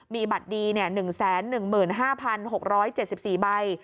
มีบัตรดี๑๑๕๖๗๔ใบ